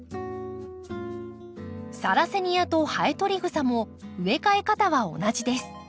サラセニアとハエトリグサも植え替え方は同じです。